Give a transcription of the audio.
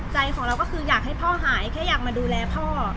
ใจของเราก็คืออยากให้พ่อหายแค่อยากมาดูแลพ่อ